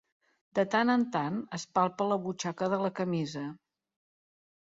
De tant en tant es palpa la butxaca de la camisa.